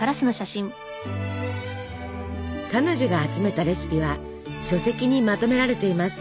彼女が集めたレシピは書籍にまとめられています。